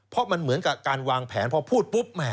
เพราะมันเหมือนกับการวางแผนพอพูดปุ๊บแหม